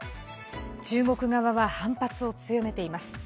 中国側は反発を強めています。